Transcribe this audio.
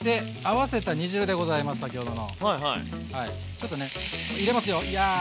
ちょっとね入れますよヤー！